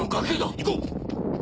行こう！